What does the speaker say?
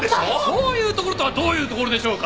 そういうところとはどういうところでしょうか？